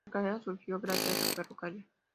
La localidad surgió gracias al ferrocarril.